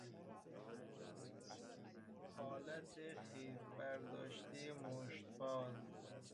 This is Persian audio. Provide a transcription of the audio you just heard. حالت خیز برداشتهی مشت باز